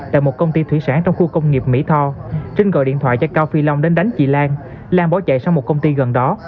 tại một công ty thủy sản trong khu công nghiệp mỹ tho trinh gọi điện thoại cho cao phi long đến đánh chị lan lan bỏ chạy sang một công ty gần đó